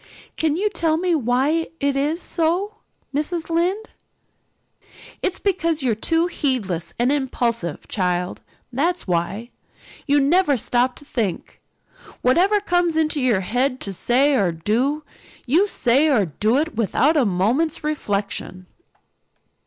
Can you tell me why it is so, Mrs. Lynde?" "It's because you're too heedless and impulsive, child, that's what. You never stop to think whatever comes into your head to say or do you say or do it without a moment's reflection."